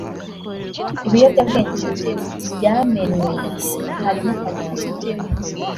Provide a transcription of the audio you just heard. Ibiyobyabwenge byamenwe harimo Kanyanga